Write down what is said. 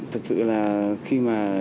thật sự là khi mà